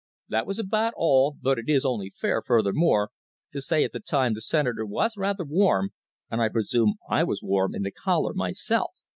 That was about all, but it is only fair, furthermore, to say that at the time the Senator was rather warm, and I presume I was warm in the collar myself.